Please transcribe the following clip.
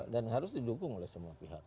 dan harus didukung oleh semua pihak